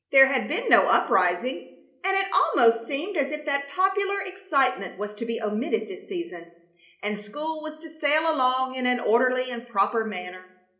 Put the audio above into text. There had been no uprising, and it almost seemed as if that popular excitement was to be omitted this season, and school was to sail along in an orderly and proper manner.